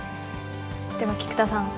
では菊田さん